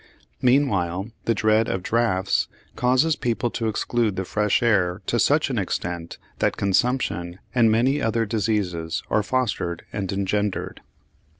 Meanwhile the dread of draughts causes people to exclude the fresh air to such an extent that consumption and many other diseases are fostered and engendered.